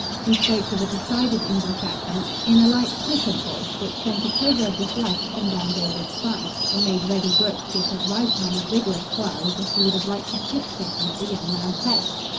He spoke with a decided English accent, in a light, flippant voice which sent a quiver of dislike up and down David's spine, and made Reddy Brooks give his right arm a vigorous twirl as if he would have liked to pitch something at the young man's head.